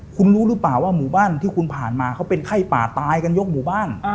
คุณรู้หรือเปล่าว่าหมู่บ้านที่คุณผ่านมาเขาเป็นไข้ป่าตายกันยกหมู่บ้าน